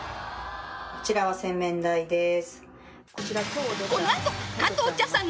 こちらは洗面台でーす